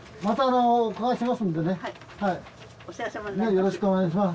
よろしくお願いします。